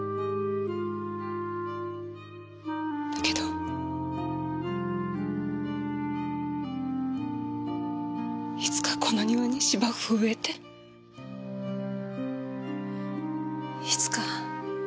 だけどいつかこの庭に芝生を植えていつか植木を植えて。